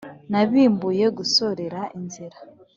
Nabimbuye gusorera inzira !